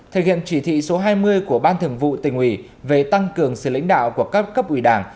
thực hiện chỉ thị số hai mươi của ban thường vụ tỉnh ủy về tăng cường sự lãnh đạo của các cấp ủy đảng